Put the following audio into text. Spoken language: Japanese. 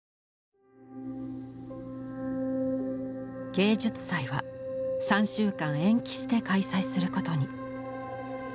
芸術祭は３週間延期して開催することに。